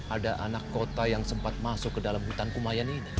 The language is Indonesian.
ada anak kota yang sempat masuk ke dalam hutan kumayan ini